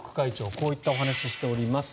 こういったお話をしております。